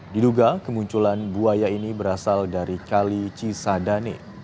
diduga kemunculan buaya ini berasal dari kali cisadane